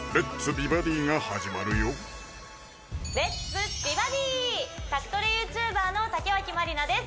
美バディ」宅トレＹｏｕＴｕｂｅｒの竹脇まりなです